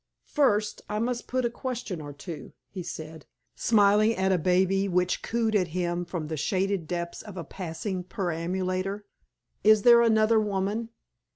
"First, I must put a question or two," he said, smiling at a baby which cooed at him from the shaded depths of a passing perambulator. "Is there another woman?"